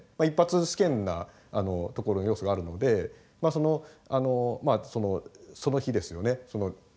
一発試験なところ要素があるのでその日ですよね